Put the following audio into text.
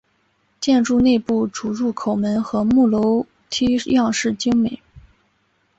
建筑内部主入口门和木楼梯样式精美。